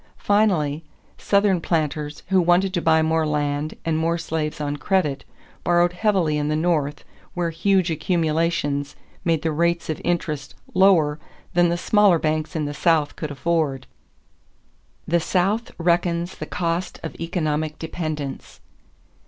Finally, Southern planters who wanted to buy more land and more slaves on credit borrowed heavily in the North where huge accumulations made the rates of interest lower than the smaller banks of the South could afford. =The South Reckons the Cost of Economic Dependence.